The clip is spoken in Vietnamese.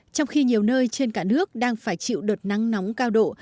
trong khi nhiều nơi trên cả nước đang phải chịu đợt nắng nóng cao độ